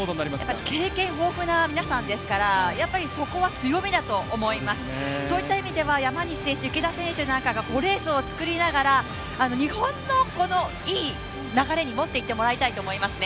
やっぱり経験豊富な皆さんですから、そこは強みだと思いますそういった意味では山西選手、池田選手なんかがレースを作りながら、日本のいい流れに持っていってもらいたいと思いますね。